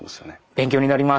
勉強になります。